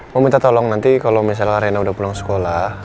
mau minta tolong nanti kalau misalnya rena udah pulang sekolah